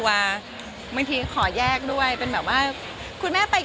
บางทีขอแยกด้วยเนี้ย